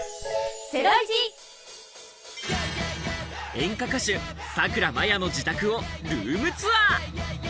演歌歌手・さくらまやの自宅を、ルームツアー！